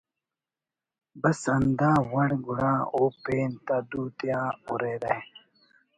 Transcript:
بس ہندا وڑ گڑا او پین تا دوتیا ہُررہ